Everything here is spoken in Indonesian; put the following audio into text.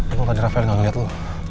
untung tadi rafael gak ngeliat lu